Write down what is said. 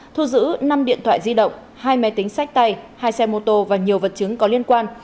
thu giữ năm điện thoại di động hai máy tính sách tay hai xe mô tô và nhiều vật chứng có liên quan